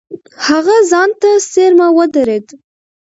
هغه ځان ته څېرمه ودرېد.